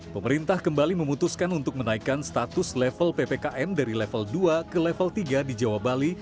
pemerintah kembali memutuskan untuk menaikkan status level ppkm dari level dua ke level tiga di jawa bali